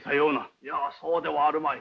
いやそうではあるまい。